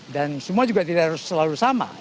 dan semua juga tidak selalu sama